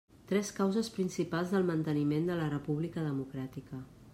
Tres causes principals del manteniment de la república democràtica.